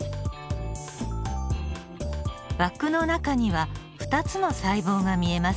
枠の中には２つの細胞が見えます。